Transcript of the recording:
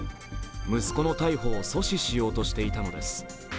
息子の逮捕を阻止しようとしていたのです。